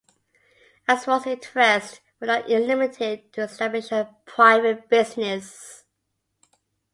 Asfour's interests were not limited to establishing her private business.